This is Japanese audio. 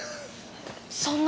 そんな。